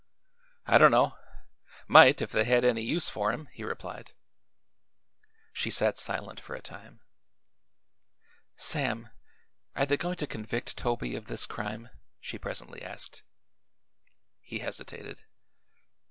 "I don't know. Might, if they had any use for 'em," he replied. She sat silent for a time. "Sam, are they going to convict Toby of this crime?" she presently asked. He hesitated.